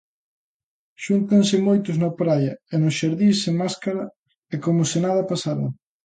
Xúntanse moitos na praia e nos xardíns sen máscara e como se nada pasara.